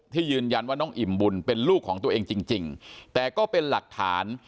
ยืนยันว่าน้องอิ่มบุญเป็นลูกของตัวเองจริงแต่ก็เป็นหลักฐาน